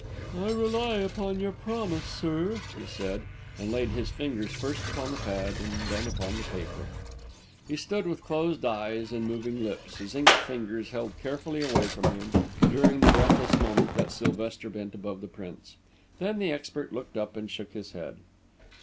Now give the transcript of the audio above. "I rely upon your promise, sir," he said, and laid his fingers first upon the pad and then upon the paper. He stood with closed eyes and moving lips, his inked fingers held carefully away from him, during the breathless moment that Sylvester bent above the prints. Then the expert looked up and shook his head.